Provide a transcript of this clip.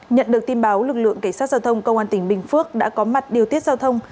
nhận được tin báo lực lượng cảnh sát giao thông công an tỉnh bình phước đã có mặt điều tiết giao thông